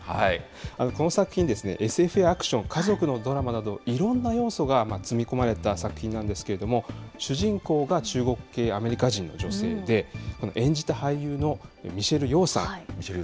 この作品ですね、ＳＦやアクション、家族のドラマなど、いろんな要素が詰め込まれた作品なんですけれども、主人公が中国系アメリカ人の女性で、演じた俳優のミシェル・ヨーさん。